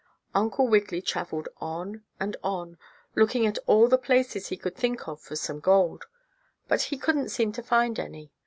Uncle Wiggily traveled on and on, looking in all the places he could think of for some gold, but he couldn't seem to find any.